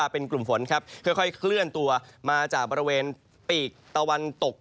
เป็นกลุ่มฝนค่อยคลื่นตัวมาจากปีกตะวันตก